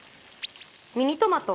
ミニトマト。